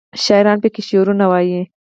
شاعران پکې شعرونه وايي.